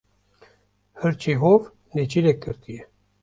Hirçê hov nêçîrek girtiye.